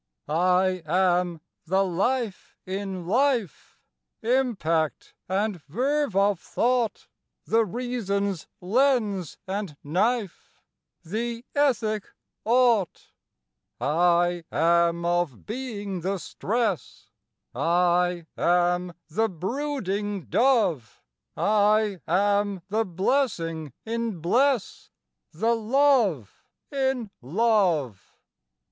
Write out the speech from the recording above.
I am the Life in life, Impact and verve of thought, The reason's lens and knife, The ethic "ought." I am of being the stress, I am the brooding Dove, I am the blessing in "bless," The Love in love.